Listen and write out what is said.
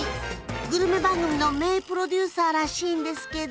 グルメ番組の名プロデューサーらしいんですけど。